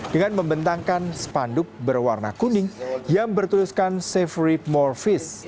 dengan membentangkan spanduk berwarna kuning yang bertuliskan save reap more fish